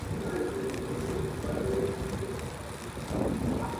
Por la noche hubo gran festejo con fuegos y luminarias.